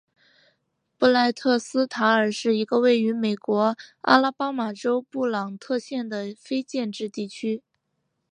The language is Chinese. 布赖特斯塔尔是一个位于美国阿拉巴马州布朗特县的非建制地区。